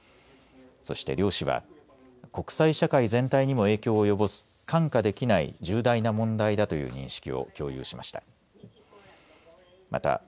そして両氏は国際社会全体にも影響を及ぼす看過できない重大な問題だという認識を共有しました。